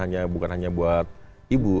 hanya buat ibu